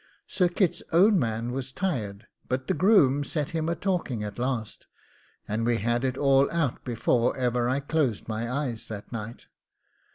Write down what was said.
Sir Kit's own man was tired, but the groom set him a talking at last, and we had it all out before ever I closed my eyes that night.